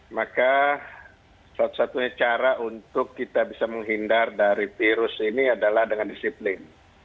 maka satu satunya cara untuk kita bisa menghindar dari virus ini adalah dengan disiplin